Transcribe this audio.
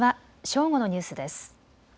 正午のニュースです。